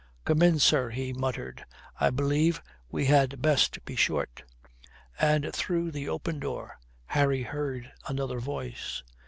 "Come in, sir," he muttered. "I believe we had best be short." And through the open door Harry heard another voice.